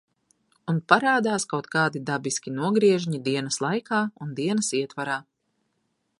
Un parādās kaut kādi dabiski nogriežņi dienas laikā un dienas ietvarā.